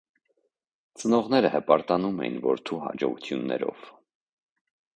Ծնողները հպարտանում էին որդու հաջողություններով։